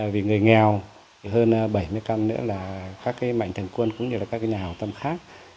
vì người nghèo hơn bảy mươi căn nữa là các mạnh thành quân cũng như là các nhà hào tâm khác